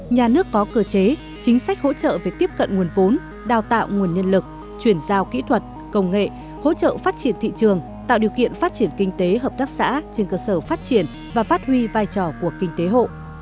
nhà nước có cơ chế chính sách hỗ trợ về tiếp cận nguồn vốn đào tạo nguồn nhân lực chuyển giao kỹ thuật công nghệ hỗ trợ phát triển thị trường tạo điều kiện phát triển kinh tế hợp tác xã trên cơ sở phát triển và phát huy vai trò của kinh tế hộ